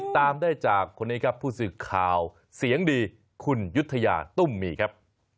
ตามได้จากคนนี้ครับผู้สื่อข่าวเสียงดีคุณยุธยาตุ้มมีครับ